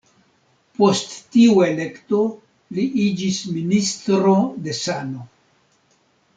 Post tiu elekto, li iĝis Ministro de sano.